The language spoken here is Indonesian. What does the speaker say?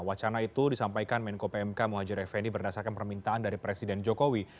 wacana itu disampaikan menko pmk muhajir effendi berdasarkan permintaan dari presiden jokowi